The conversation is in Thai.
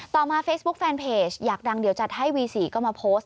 ต่อมาเฟซบุ๊คแฟนเพจอยากดังเดี๋ยวจัดให้วี๔ก็มาโพสต์